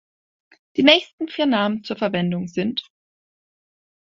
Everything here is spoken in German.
Die nächsten vier Namen zur Verwendung sind.